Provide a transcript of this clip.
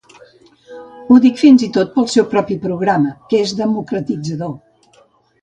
Ho dic fins i tot pel seu propi programa, que és democratitzador.